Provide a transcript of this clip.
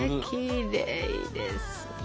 きれいですね。